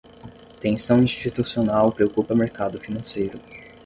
Tensão institucional preocupa mercado financeiro